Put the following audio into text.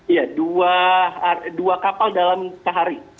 iya dua kapal dalam sehari